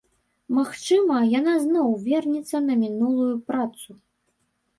Магчыма, яна зноў вернецца на мінулую працу.